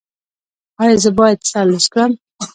ایا زه باید سر لوڅ کړم؟